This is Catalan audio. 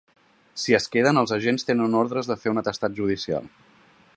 Si es queden, els agents tenen ordres de fer un atestat judicial.